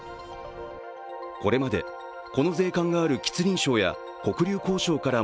これまで、この税関がある吉林省から黒竜江省から